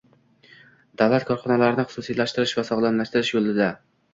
Davlat korxonalarini xususiylashtirish va sog‘lomlashtirish yo‘lida